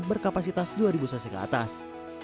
berkapasitas dua ribu cc ke atas